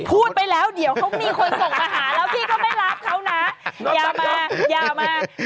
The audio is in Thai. พูดไปแล้วเดี๋ยวเขามีคนส่งมาหาแล้วพี่ก็ไม่รับเขานะ